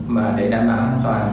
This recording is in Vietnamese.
mà để đảm bảo an toàn